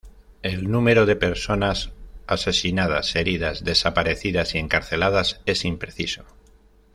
El número de personas asesinadas, heridas, desaparecidas y encarceladas es impreciso.